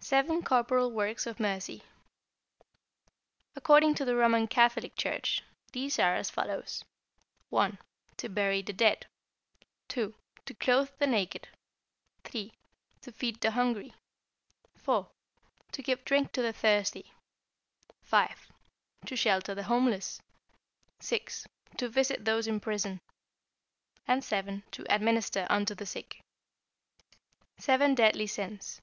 =Seven Corporal Works of Mercy.= According to the Roman Catholic Church, these are as follows: (1) To bury the dead, (2) to clothe the naked, (3) to feed the hungry, (4) to give drink to the thirsty, (5) to shelter the homeless, (6) to visit those in prison, (7) to administer unto the sick. =Seven Deadly Sins.